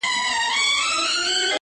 • ستړي منډي به مي ستا درشل ته راوړې -